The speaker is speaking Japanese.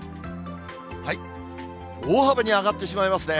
大幅に上がってしまいますね。